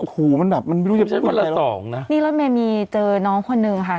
แกจะใช้เมื่อละสองนะ